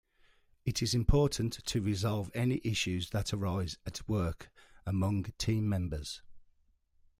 It is important to resolve any issues that arise at work among team members.